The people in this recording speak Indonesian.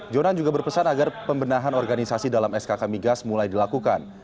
jonan juga berpesan agar pembenahan organisasi dalam skk migas mulai dilakukan